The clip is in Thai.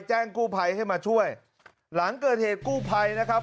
แจ้งกู้ภัยให้มาช่วยหลังเกิดเหตุกู้ภัยนะครับ